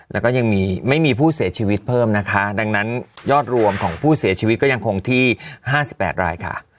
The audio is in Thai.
แล้วก็ยังมีไม่มีผู้เสียชีวิตเพิ่มนะคะดังนั้นยอดรวมของผู้เสียชีวิตก็ยังคงที่๕๘รายค่ะ